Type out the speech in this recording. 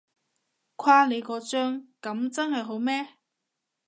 誇你個張，噉真係好咩？